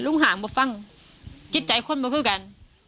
ลุงห่างบอกฟังจิตใจคนบอกเข้ากัน